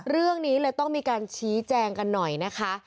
เรื่องนี้เลยต้องมีการชี้แจงกันหน่อยนะคะ